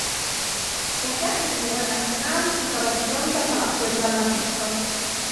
La piazza degli eroi nazionali si trova di fronte al palazzo del parlamento.